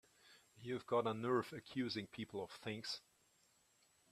You've got a nerve accusing people of things!